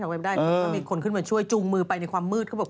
มีคนขึ้นมาช่วยจุงมือไปในความมืด